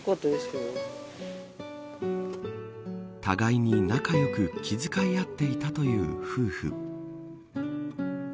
互いに仲良く気遣い合っていたという夫婦。